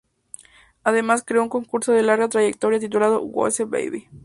Además creó un concurso de larga trayectoria titulado "Whose Baby?